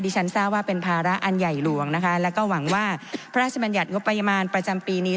ฉันทราบว่าเป็นภาระอันใหญ่หลวงนะคะแล้วก็หวังว่าพระราชบัญญัติงบประมาณประจำปีนี้